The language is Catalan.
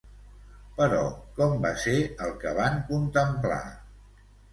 Però com va ser el que van contemplar?